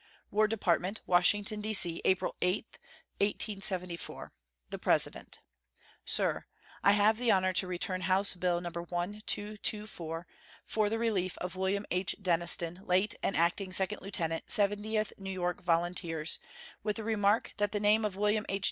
WAR DEPARTMENT, Washington, D.C., April 8, 1874. The PRESIDENT. SIR: I have the honor to return House bill No. 1224, "for the relief of William H. Denniston, late an acting second lieutenant, Seventieth New York Volunteers," with the remark that the name of William H.